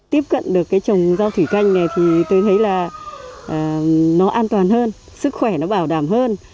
tiếp cận được cái trồng rau thủy canh này thì tôi thấy là nó an toàn hơn sức khỏe nó bảo đảm hơn